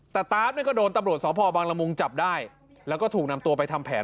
แต่ตาร์ฟเนี่ยก็โดนตำรวจสพบังละมุงจับได้แล้วก็ถูกนำตัวไปทำแผน